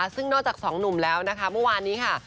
ซึ่งนอกจากสองหนุ่มแล้วนะคะเมื่อวานนี้ค่ะ